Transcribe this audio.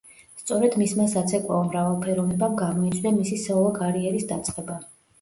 სწორედ მისმა საცეკვაო მრავალფეროვნებამ გამოიწვია მისი სოლო კარიერის დაწყება.